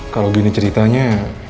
kalau gini ceritanya